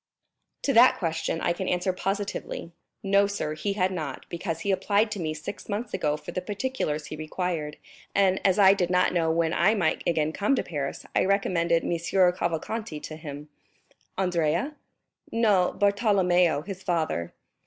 "To that question I can answer positively; no, sir, he had not, because he applied to me six months ago for the particulars he required, and as I did not know when I might again come to Paris, I recommended M. Cavalcanti to him." "Andrea?" "No, Bartolomeo, his father."